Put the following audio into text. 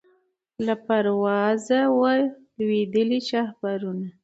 له پروازه وه لوېدلي شهپرونه